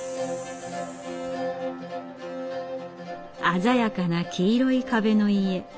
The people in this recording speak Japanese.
鮮やかな黄色い壁の家。